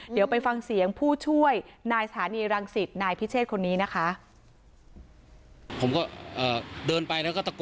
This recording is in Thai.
เดี๋ยวไปฟังเสียงผู้ช่วยนายสถานีรังสิตนายพิเชษคนนี้นะคะ